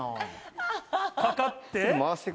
掛かって。